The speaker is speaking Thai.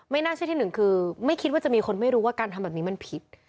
น่าเชื่อที่หนึ่งคือไม่คิดว่าจะมีคนไม่รู้ว่าการทำแบบนี้มันผิด